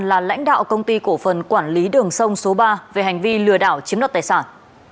là lãnh đạo công ty cổ phần quản lý đường sông số ba về hành vi lừa đảo chiếm đoạt tài sản